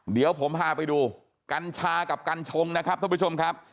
เดี๋ยวผมพาไปดูกัญชากับกัญชงนะครับท่านผู้ชมครับ